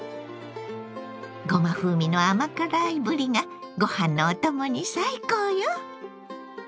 ごま風味の甘辛いぶりがご飯のお供に最高よ！